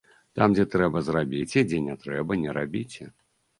Там, дзе трэба, зрабіце, дзе не трэба, не рабіце.